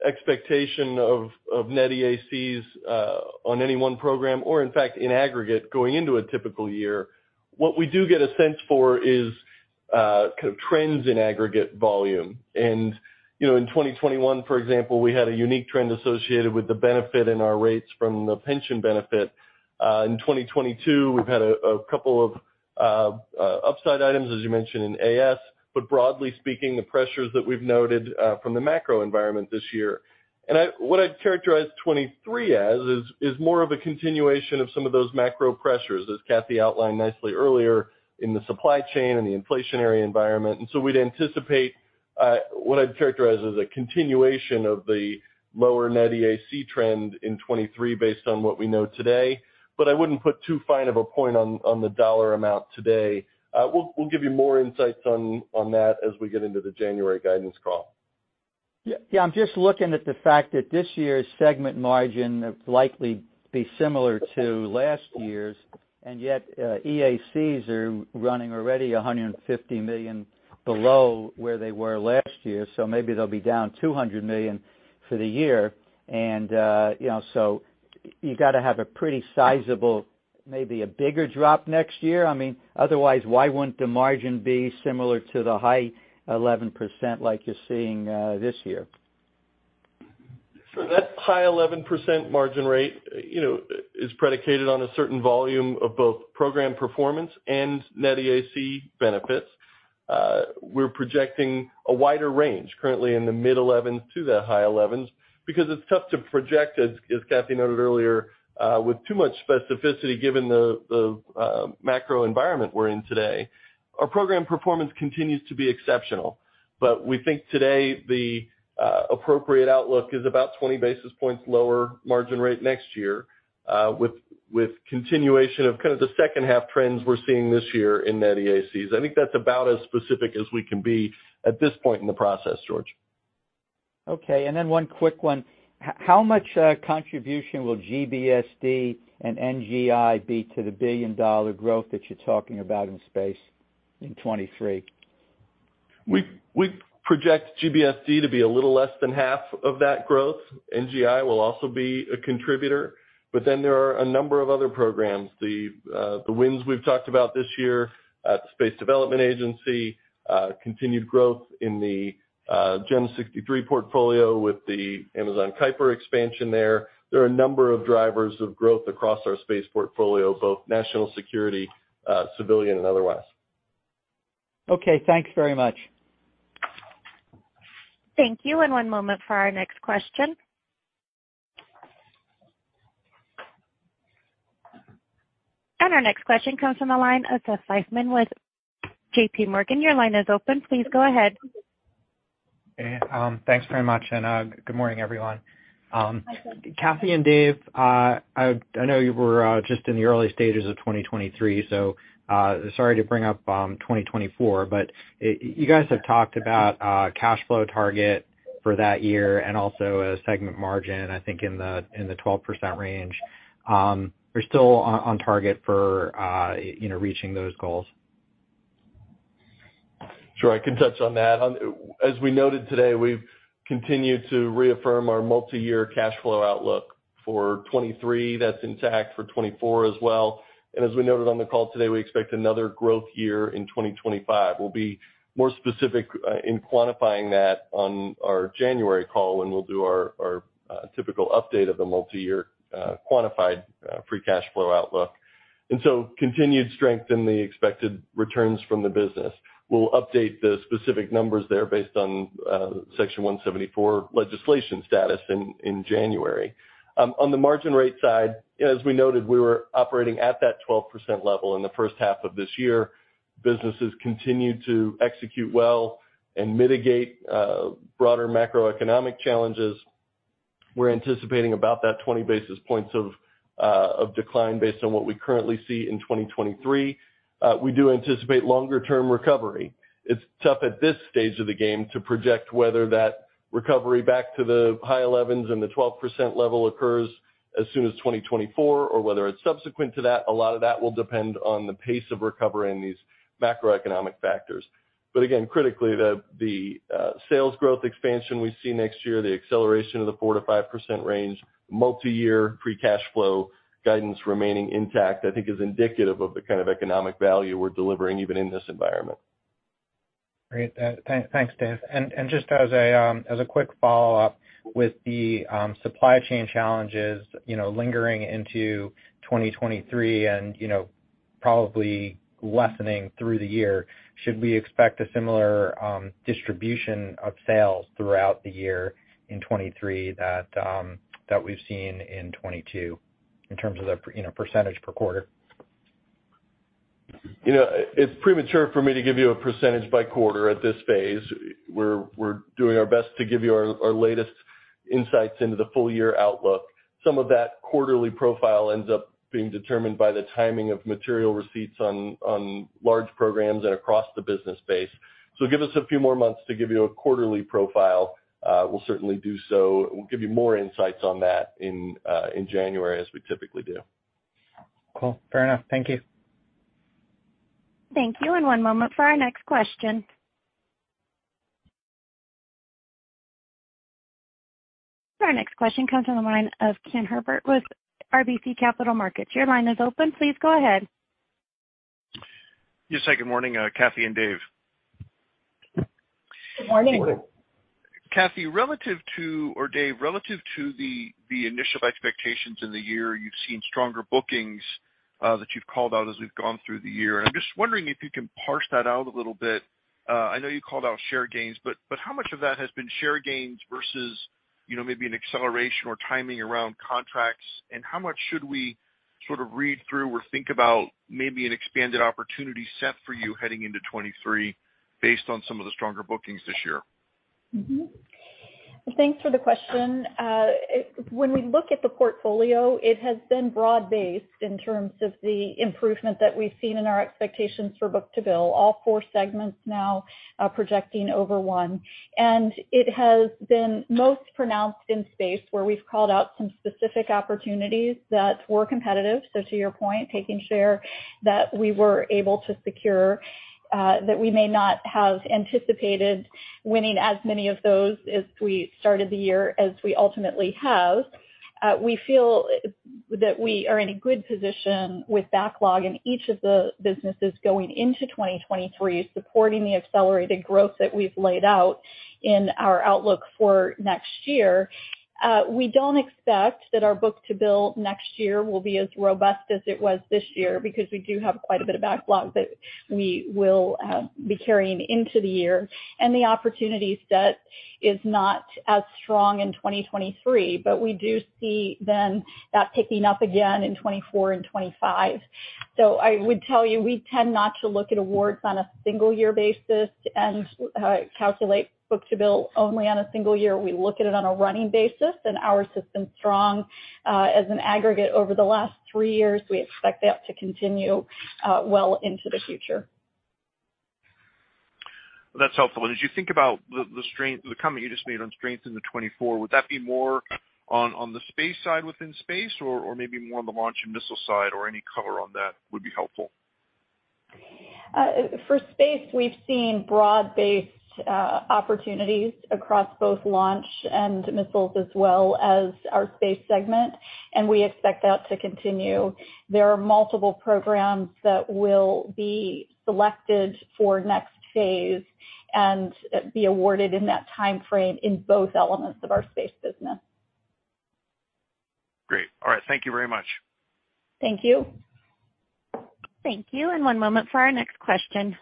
expectation of net EACs on any one program or in fact in aggregate going into a typical year. What we do get a sense for is kind of trends in aggregate volume. You know, in 2021, for example, we had a unique trend associated with the benefit in our rates from the pension benefit. In 2022, we've had a couple of upside items, as you mentioned, in AS, but broadly speaking, the pressures that we've noted from the macro environment this year. What I'd characterize 2023 as is more of a continuation of some of those macro pressures, as Kathy outlined nicely earlier in the supply chain and the inflationary environment. We'd anticipate what I'd characterize as a continuation of the lower net EAC trend in 2023 based on what we know today. I wouldn't put too fine of a point on the dollar amount today. We'll give you more insights on that as we get into the January guidance call. Yeah. Yeah. I'm just looking at the fact that this year's segment margin likely be similar to last year's, and yet, EACs are running already $150 million below where they were last year. Maybe they'll be down $200 million for the year. You know, you got to have a pretty sizable, maybe a bigger drop next year. I mean, otherwise, why wouldn't the margin be similar to the high 11% like you're seeing this year? Sure. That high 11% margin rate, you know, is predicated on a certain volume of both program performance and net EAC benefits. We're projecting a wider range currently in the mid-11% to the high 11% because it's tough to project, as Kathy noted earlier, with too much specificity given the macro environment we're in today. Our program performance continues to be exceptional, but we think today the appropriate outlook is about 20 basis points lower margin rate next year, with continuation of kind of the second half trends we're seeing this year in net EACs. I think that's about as specific as we can be at this point in the process, George. One quick one. How much contribution will GBSD and NGI be to the billion-dollar growth that you're talking about in space in 2023? We project GBSD to be a little less than half of that growth. NGI will also be a contributor, but then there are a number of other programs. The wins we've talked about this year at the Space Development Agency, continued growth in the GEM 63 portfolio with the Project Kuiper expansion there. There are a number of drivers of growth across our space portfolio, both national security, civilian and otherwise. Okay, thanks very much. Thank you. One moment for our next question. Our next question comes from the line of Seth Seifman with JPMorgan. Your line is open. Please go ahead. Hey, thanks very much. Good morning, everyone. Kathy and Dave, I know you were just in the early stages of 2023, so sorry to bring up 2024, but you guys have talked about cash flow target for that year and also a segment margin, I think in the 12% range. You're still on target for, you know, reaching those goals? Sure, I can touch on that. As we noted today, we've continued to reaffirm our multi-year cash flow outlook for 2023. That's intact for 2024 as well. As we noted on the call today, we expect another growth year in 2025. We'll be more specific in quantifying that on our January call when we'll do our typical update of the multi-year quantified free cash flow outlook. Continued strength in the expected returns from the business. We'll update the specific numbers there based on Section 174 legislation status in January. On the margin rate side, as we noted, we were operating at that 12% level in the first half of this year. Businesses continue to execute well and mitigate broader macroeconomic challenges. We're anticipating about that 20 basis points of decline based on what we currently see in 2023. We do anticipate longer-term recovery. It's tough at this stage of the game to project whether that recovery back to the high 11s and the 12% level occurs as soon as 2024 or whether it's subsequent to that. A lot of that will depend on the pace of recovery in these macroeconomic factors. But again, critically, the sales growth expansion we see next year, the acceleration of the 4%-5% range, multiyear free cash flow guidance remaining intact, I think is indicative of the kind of economic value we're delivering even in this environment. Great. Thanks, Dave. Just as a quick follow-up with the supply chain challenges, you know, lingering into 2023 and, you know, probably lessening through the year, should we expect a similar distribution of sales throughout the year in 2023 that we've seen in 2022 in terms of the, you know, percentage per quarter? You know, it's premature for me to give you a percentage by quarter at this phase. We're doing our best to give you our latest insights into the full year outlook. Some of that quarterly profile ends up being determined by the timing of material receipts on large programs and across the business base. Give us a few more months to give you a quarterly profile. We'll certainly do so. We'll give you more insights on that in January, as we typically do. Cool. Fair enough. Thank you. Thank you. One moment for our next question. Our next question comes from the line of Ken Herbert with RBC Capital Markets. Your line is open. Please go ahead. Yes. Good morning, Kathy and Dave. Good morning. Kathy, relative to or Dave, relative to the initial expectations in the year, you've seen stronger bookings that you've called out as we've gone through the year. I'm just wondering if you can parse that out a little bit. I know you called out share gains, but how much of that has been share gains versus, you know, maybe an acceleration or timing around contracts? How much should we sort of read through or think about maybe an expanded opportunity set for you heading into 2023 based on some of the stronger bookings this year? Thanks for the question. When we look at the portfolio, it has been broad-based in terms of the improvement that we've seen in our expectations for book-to-bill, all four segments now projecting over one. It has been most pronounced in space, where we've called out some specific opportunities that were competitive. To your point, taking share that we were able to secure, that we may not have anticipated winning as many of those as we started the year as we ultimately have. We feel that we are in a good position with backlog in each of the businesses going into 2023, supporting the accelerated growth that we've laid out in our outlook for next year. We don't expect that our book-to-bill next year will be as robust as it was this year because we do have quite a bit of backlog that we will be carrying into the year, and the opportunity set is not as strong in 2023. We do see then that picking up again in 2024 and 2025. I would tell you, we tend not to look at awards on a single year basis and calculate book-to-bill only on a single year. We look at it on a running basis, and our system is strong as an aggregate over the last three years. We expect that to continue well into the future. That's helpful. As you think about the comment you just made on strength into 2024, would that be more on the space side within Space or maybe more on the launch and missile side? Or any color on that would be helpful. For space, we've seen broad-based opportunities across both launch and missiles as well as our space segment, and we expect that to continue. There are multiple programs that will be selected for next phase and be awarded in that timeframe in both elements of our space business. Great. All right. Thank you very much. Thank you. Thank you. One moment for our next question.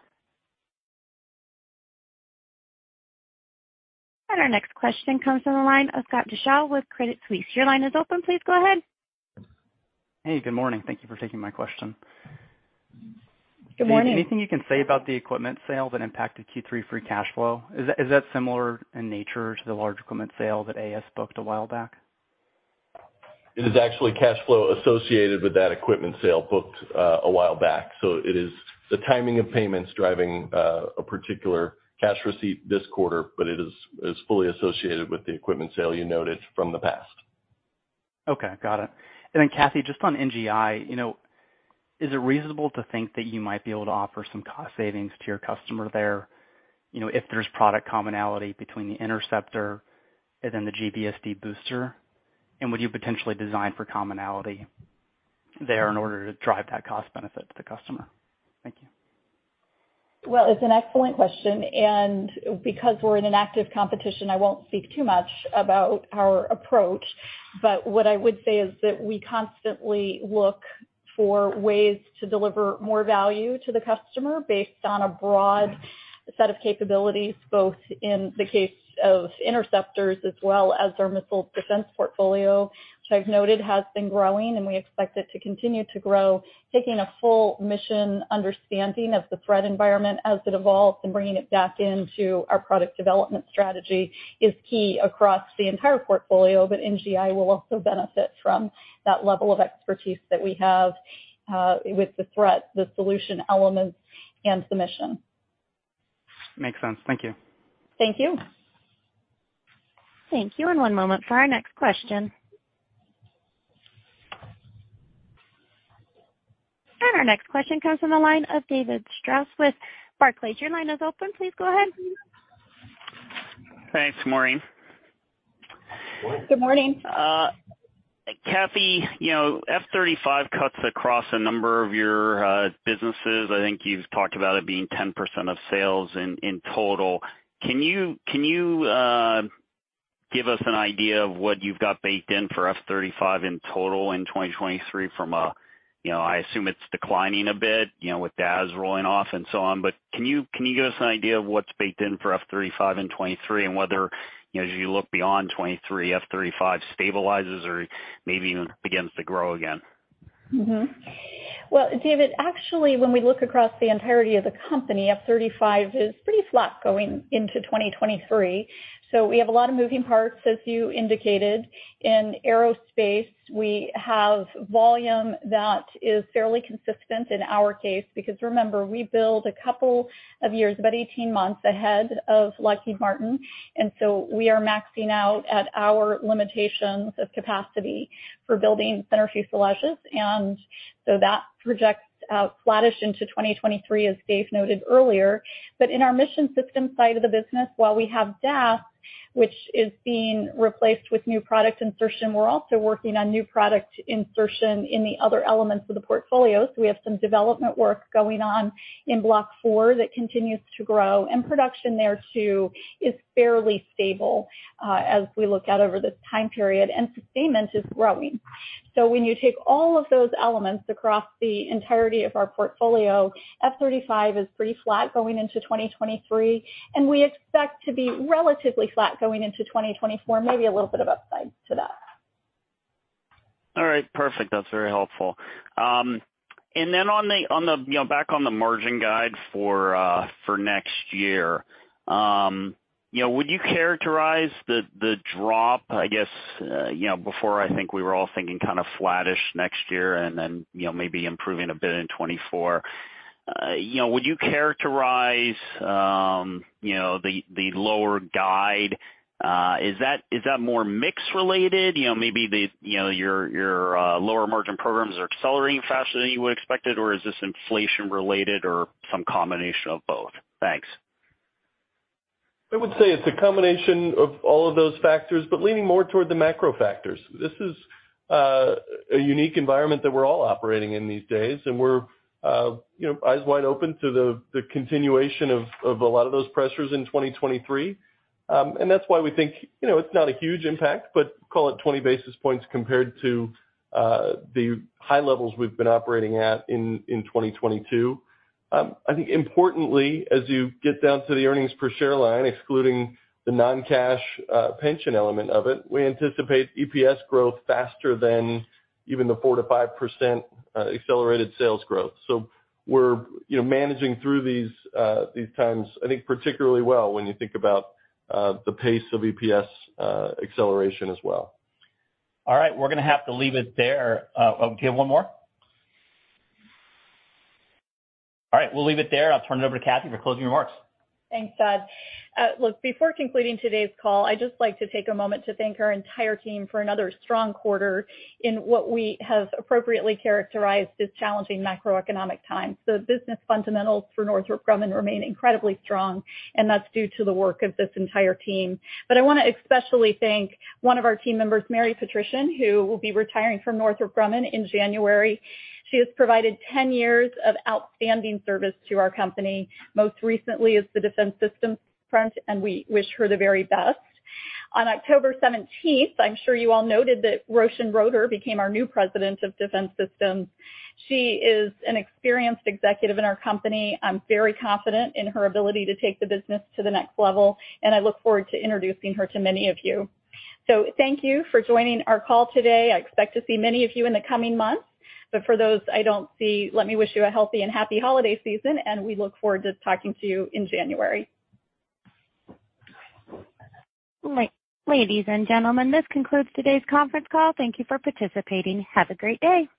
Our next question comes from the line of Scott Deuschle with Credit Suisse. Your line is open. Please go ahead. Hey, good morning. Thank you for taking my question. Good morning. Anything you can say about the equipment sale that impacted Q3 free cash flow? Is that similar in nature to the large equipment sale that AS booked a while back? It is actually cash flow associated with that equipment sale booked a while back. It is the timing of payments driving a particular cash receipt this quarter, but it is fully associated with the equipment sale you noted from the past. Okay. Got it. Kathy, just on NGI, you know, is it reasonable to think that you might be able to offer some cost savings to your customer there, you know, if there's product commonality between the interceptor and then the GBSD booster? And would you potentially design for commonality there in order to drive that cost benefit to the customer? Thank you. Well, it's an excellent question. Because we're in an active competition, I won't speak too much about our approach. What I would say is that we constantly look for ways to deliver more value to the customer based on a broad set of capabilities, both in the case of interceptors as well as our missile defense portfolio, which I've noted has been growing, and we expect it to continue to grow. Taking a full mission understanding of the threat environment as it evolves and bringing it back into our product development strategy is key across the entire portfolio. NGI will also benefit from that level of expertise that we have with the threat, the solution elements and the mission. Makes sense. Thank you. Thank you. Thank you. One moment for our next question. Our next question comes from the line of David Strauss with Barclays. Your line is open. Please go ahead. Thanks. Morning. Good morning. Kathy, you know, F-35 cuts across a number of your businesses. I think you've talked about it being 10% of sales in total. Can you give us an idea of what you've got baked in for F-35 in total in 2023? You know, I assume it's declining a bit, you know, with DAS rolling off and so on, but can you give us an idea of what's baked in for F-35 in 2023 and whether, you know, as you look beyond 2023, F-35 stabilizes or maybe even begins to grow again? Well, David, actually, when we look across the entirety of the company, F-35 is pretty flat going into 2023. We have a lot of moving parts, as you indicated. In aerospace, we have volume that is fairly consistent in our case because remember, we build a couple of years, about 18 months ahead of Lockheed Martin. We are maxing out at our limitations of capacity for building center fuselages. That projects out flattish into 2023, as Dave noted earlier. In our Mission Systems side of the business, while we have DAS, which is being replaced with new product insertion, we're also working on new product insertion in the other elements of the portfolio. We have some development work going on in Block IV that continues to grow. Production there, too, is fairly stable, as we look out over this time period. Sustainment is growing. When you take all of those elements across the entirety of our portfolio, F-35 is pretty flat going into 2023, and we expect to be relatively flat going into 2024, maybe a little bit of upside to that. All right. Perfect. That's very helpful. On the, you know, back on the margin guide for next year, you know, would you characterize the drop, I guess, you know, before I think we were all thinking kind of flattish next year and then, you know, maybe improving a bit in 2024. You know, would you characterize the lower guide? Is that more mix-related? You know, maybe your lower margin programs are accelerating faster than you would expect it, or is this inflation-related or some combination of both? Thanks. I would say it's a combination of all of those factors, but leaning more toward the macro factors. This is a unique environment that we're all operating in these days, and we're, you know, eyes wide open to the continuation of a lot of those pressures in 2023. And that's why we think, you know, it's not a huge impact, but call it 20 basis points compared to the high levels we've been operating at in 2022. I think importantly, as you get down to the earnings per share line, excluding the non-cash pension element of it, we anticipate EPS growth faster than even the 4%-5% accelerated sales growth. We're, you know, managing through these times, I think particularly well when you think about the pace of EPS acceleration as well. All right, we're gonna have to leave it there. All right, we'll leave it there. I'll turn it over to Kathy for closing remarks. Thanks, Todd. Look, before concluding today's call, I'd just like to take a moment to thank our entire team for another strong quarter in what we have appropriately characterized as challenging macroeconomic times. The business fundamentals for Northrop Grumman remain incredibly strong, and that's due to the work of this entire team. I wanna especially thank one of our team members, Mary Petryszyn, who will be retiring from Northrop Grumman in January. She has provided 10 years of outstanding service to our company, most recently as the Defense Systems president, and we wish her the very best. On October seventeenth, I'm sure you all noted that Roshan Roeder became our new President of Defense Systems. She is an experienced executive in our company. I'm very confident in her ability to take the business to the next level, and I look forward to introducing her to many of you. Thank you for joining our call today. I expect to see many of you in the coming months. For those I don't see, let me wish you a healthy and happy holiday season, and we look forward to talking to you in January. Ladies and gentlemen, this concludes today's conference call. Thank you for participating. Have a great day.